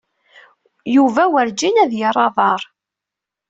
Yuba werǧin ad yerr aḍar.